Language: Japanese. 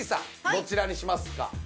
どちらにしますか？